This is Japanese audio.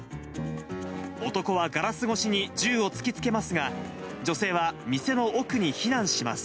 男はガラス越しに銃を突きつけますが、女性は店の奥に避難します。